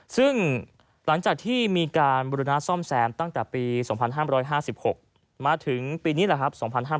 ซึ่งหลังจากที่มีการบุรณะซ่อมแซมตั้งแต่ปี๒๕๕๖มาถึงปีนี้แหละครับ